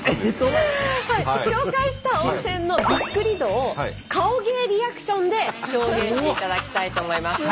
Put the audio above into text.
紹介した温泉のびっくり度を顔芸リアクションで表現していただきたいと思います。